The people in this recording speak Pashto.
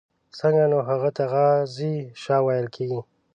ځکه نو هغه ته غازي شاه ویل کېږي.